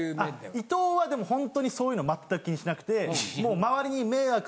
伊藤はでもホントにそういうの全く気にしなくてもう。